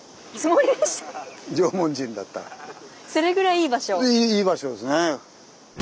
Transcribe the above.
いい場所ですね！